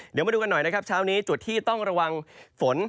เดี๋ยวมาดูกันหน่อยชาวนี้จุดที่ต้องระวังฝน